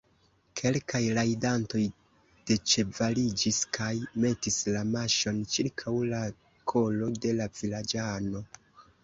Kelkaj rajdantoj deĉevaliĝis kaj metis la maŝon ĉirkaŭ la kolo de la vilaĝano.